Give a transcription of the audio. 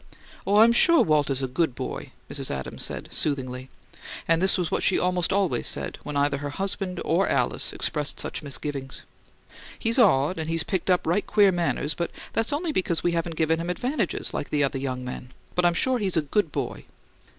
"Oh, I'm sure Walter's a GOOD boy," Mrs. Adams said, soothingly; and this was what she almost always said when either her husband or Alice expressed such misgivings. "He's odd, and he's picked up right queer manners; but that's only because we haven't given him advantages like the other young men. But I'm sure he's a GOOD boy."